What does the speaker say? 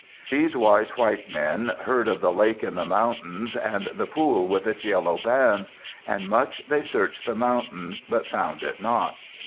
These wise white men heard of the lake in the mountains and the pool with its yellow bands and much they searched the mountains but found it not.